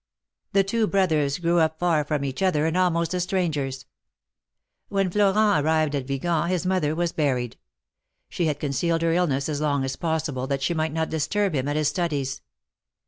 The two brothers grew up far from each other, and almost as strangers. When Elorent arrived at Vigan 60 THE MARKETS OF PARIS. his mother was buried. She had concealed her illness as long as possible, that she might not disturb him at his studies.